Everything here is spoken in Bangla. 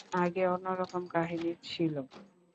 আগে অন্যরকম কাহিনী ছিলো।